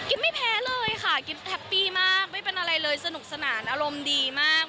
ไม่แพ้เลยค่ะกิ๊บแฮปปี้มากไม่เป็นอะไรเลยสนุกสนานอารมณ์ดีมาก